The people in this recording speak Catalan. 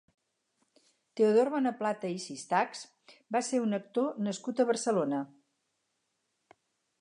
Teodor Bonaplata i Sistachs va ser un actor nascut a Barcelona.